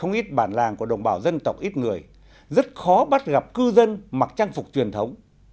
trong những trường hợp phản làng của đồng bào dân tộc ít người rất khó bắt gặp cư dân mặc trang phục truyền thống